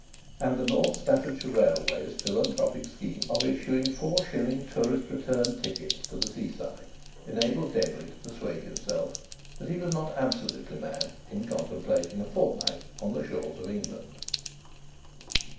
And the North Staffordshire Railway's philanthropic scheme of issuing four shilling tourist return tickets to the seaside enabled Denry to persuade himself that he was not absolutely mad in contemplating a fortnight on the shores of England.